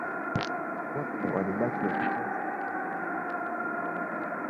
Wote walibaki wakicheza kwa mashetrani wekundu